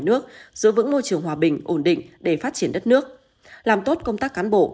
nước giữ vững môi trường hòa bình ổn định để phát triển đất nước làm tốt công tác cán bộ